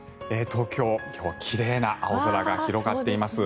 東京、今日は奇麗な青空が広がっています。